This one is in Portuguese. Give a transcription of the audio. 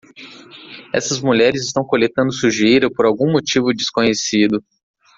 Essas mulheres estão coletando sujeira por algum motivo desconhecido.